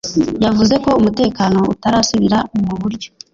yavuze ko umutekano utarasubira mu buryo